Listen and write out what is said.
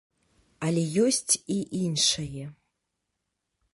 Але ёсць і іншае.